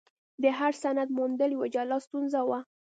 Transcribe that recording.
د هر سند موندل یوه جلا ستونزه وه.